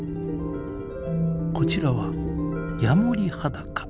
こちらはヤモリハダカ。